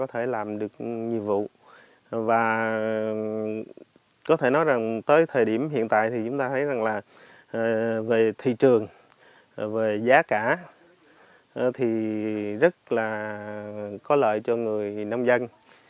có thể làm được nhiệm vụ và có thể nói rằng tới thời điểm hiện tại thì chúng ta thấy rằng là về thị trường về giá cả thì rất là có lợi cho người nông dân